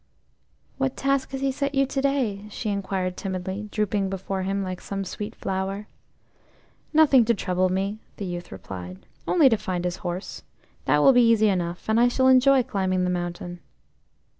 "What task has he set you to day?" she inquired timidly, drooping before him like some sweet flower. "Nothing to trouble me," the youth replied, "Only to find his horse. That will be easy enough, and I shall enjoy climbing the mountain."